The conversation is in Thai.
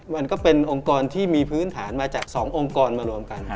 มันก็เป็นองค์กรที่มีพื้นฐานมาจาก๒องค์กรมารวมกัน